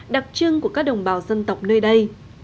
đặc trưng của các đồng bào dân tộc nơi đây